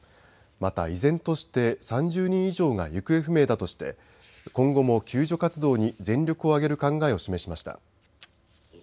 また依然として３０人以上が行方不明だとして今後も救助活動に全力を挙げる考えを示しました。